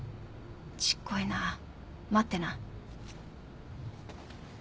ちっこいなぁ待ってな。